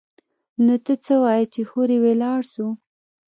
نو ته څه وايي چې هورې ولاړ سو؟